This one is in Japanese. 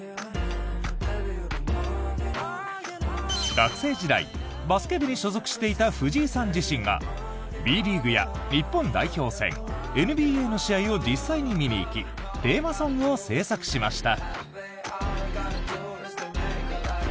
学生時代バスケ部に所属していた藤井さん自身がＢリーグや日本代表戦ＮＢＡの試合を実際に見に行きテーマソングを制作しました。